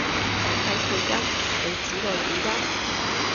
簡體配音？你指個語音？